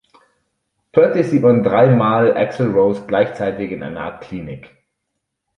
Plötzlich sieht man drei Mal Axl Rose gleichzeitig in einer Art Klinik.